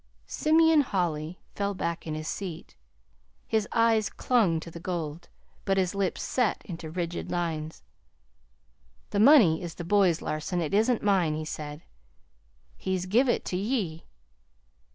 Simeon Holly fell back in his seat. His eyes clung to the gold, but his lips set into rigid lines. "That money is the boy's, Larson. It isn't mine," he said. "He's give it to ye."